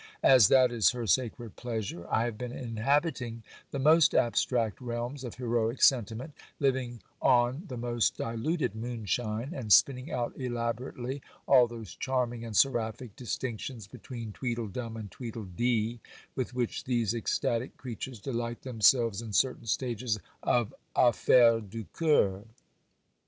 As that is her sacred pleasure, I have been inhabiting the most abstract realms of heroic sentiment, living on the most diluted moonshine, and spinning out elaborately all those charming and seraphic distinctions between tweedle dum and tweedle dee with which these ecstatic creatures delight themselves in certain stages of "affaires du cœur."